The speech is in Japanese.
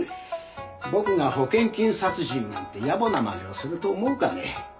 僕が保険金殺人なんて野暮な真似をすると思うかね？